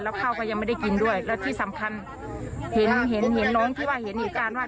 แล้วข้าวก็ยังไม่ได้กินด้วยแล้วที่สำคัญเห็นน้องที่ว่าเห็นอีกการว่า